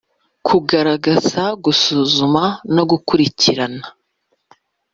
kugaragaza gusuzuma no gukurikirana